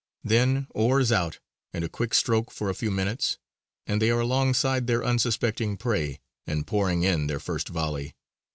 Then oars out, and a quick stroke for a few minutes, and they are alongside their unsuspecting prey, and pouring in their first volley.